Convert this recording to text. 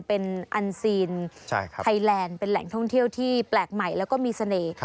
เป็นอันซีนไทยแลนด์เป็นแหล่งท่องเที่ยวที่แปลกใหม่แล้วก็มีเสน่ห์